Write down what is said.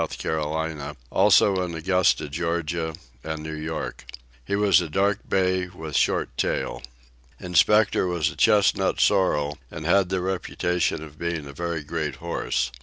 C., also in Augusta, Ga., and New York. He was a dark bay, with short tail. Inspector was a chestnut sorrel, and had the reputation of being a very great horse.